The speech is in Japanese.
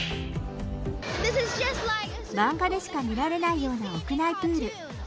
漫画でしか見られないような屋内プール。